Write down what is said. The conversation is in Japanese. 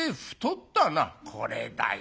「これだよ。